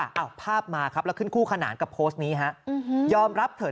อ้าวภาพมาครับแล้วขึ้นคู่ขนานกับโพสต์นี้ฮะยอมรับเถอะ